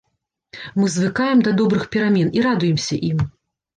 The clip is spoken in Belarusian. Мы звыкаем да добрых перамен і радуемся ім.